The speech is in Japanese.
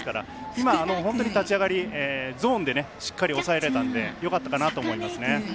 今、本当に立ち上がりゾーンで、しっかり抑えられてよかったかなと思いますね。